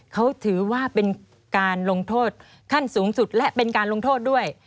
เขาถือว่าเป็นการลงโทษขั้นสูงสุดและเป็นการลงโทษด้วย